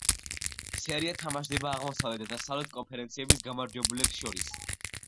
სერია თამაშდება აღმოსავლეთ და დასავლეთ კონფერენციების გამარჯვებულებს შორის.